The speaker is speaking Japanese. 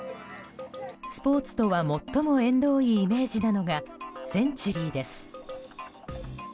スポーツとは最も縁遠いイメージなのがセンチュリーです。